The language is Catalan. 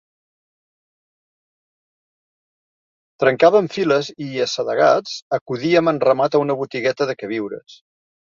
Trencàvem files i, assedegats, acudíem en ramat a una botigueta de queviures